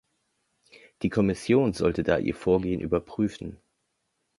Die Kommission sollte da ihr Vorgehen überprüfen.